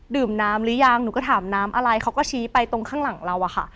ดื่มน้ำหรือยังหนูก็ถามน้ำอะไรเขาก็ชี้ไปตรงข้างหลังเราอะค่ะ